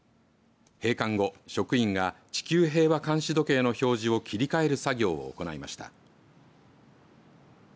閉館後、職員が地球平和監視時計の表示を切り替える作業を行いました。